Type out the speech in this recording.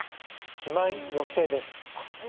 肥満抑制です。